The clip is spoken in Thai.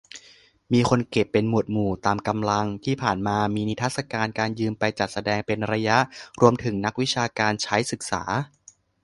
มีคนเก็บเป็นหมวดหมู่ ตามกำลัง ที่ผ่านมามีนิทรรศการยืมไปจัดแสดงเป็นระยะ รวมถึงนักวิชาการใช้ศึกษา